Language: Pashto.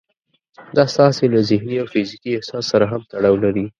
دا ستاسې له ذهني او فزيکي احساس سره هم تړاو لري.